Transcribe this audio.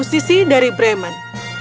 musisi dari bremen